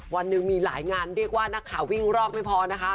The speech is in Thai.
วันหนึ่งมีหลายงานเรียกว่านักข่าววิ่งรอกไม่พอนะคะ